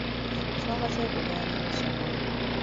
Nsonga ki ekuganye okusoma?